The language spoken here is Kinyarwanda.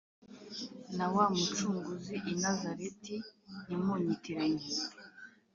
Nawamucunguzi inazareti Ntimunyitiranye